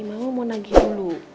mama mau nagih dulu